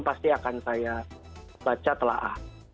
pasti akan saya baca telah ah